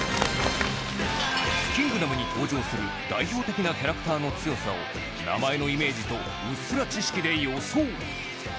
『キングダム』に登場する代表的なキャラクターの強さを名前のイメージとうっすら知識で予想